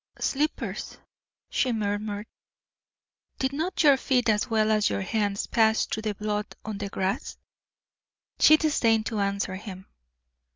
"Slippers," she murmured. "Did not your feet as well as your hands pass through the blood on the grass?" She disdained to answer him.